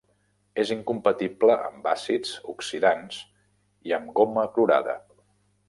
És incompatible amb àcids, oxidants, i amb goma clorada.